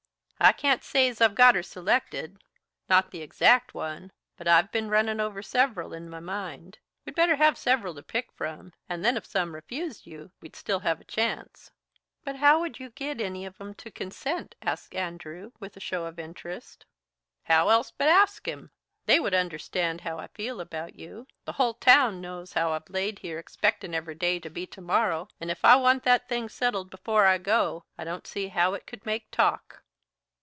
"I can't say 's I've got her selected not the exact one but I've ben runnin' over several in my mind. We'd better have several to pick from, and then if some refused you, we'd still have a chance." "But how would you git any of 'em to consent?" asked Andrew with a show of interest. "How else but ask 'em? They would understand how I feel about you. The hull town knows how I've laid here expectin' every day to be to morrow, and if I want that thing settled before I go, I don't see how it could make talk."